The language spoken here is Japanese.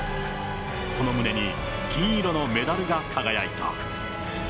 その胸に、金色のメダルが輝いた。